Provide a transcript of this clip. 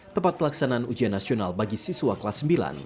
tempat pelaksanaan ujian nasional bagi siswa kelas sembilan